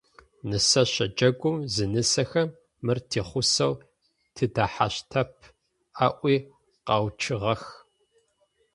Нысэщэ джэгум зынэсхэм, «Мыр тигъусэу тыдэхьащтэп», - аӏуи къэуцугъэх.